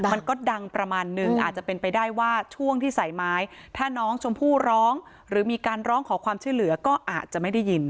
มันก็ดังประมาณนึงอาจจะเป็นไปได้ว่าช่วงที่ใส่ไม้ถ้าน้องชมพู่ร้องหรือมีการร้องขอความช่วยเหลือก็อาจจะไม่ได้ยิน